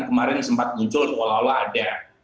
kemarin sempat muncul walau wala ada